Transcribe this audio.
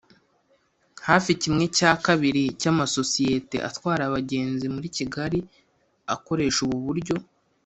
Hafi kimwe cya kabiri cy’amasosiyete atwara abagenzi muri Kigali akoresha ubu buryo